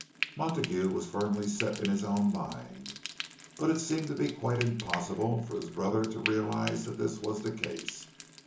Montague was firmly set in his own mind; but it seemed to be quite impossible for his brother to realize that this was the case.